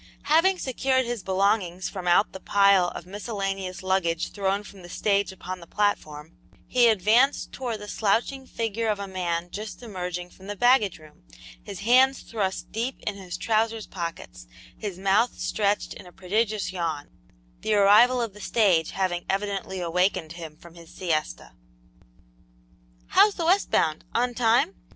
Having secured his belongings from out the pile of miscellaneous luggage thrown from the stage upon the platform, he advanced towards the slouching figure of a man just emerging from the baggage room, his hands thrust deep in his trousers pockets, his mouth stretched in a prodigious yawn, the arrival of the stage having evidently awakened him from his siesta. "How's the west bound on time?"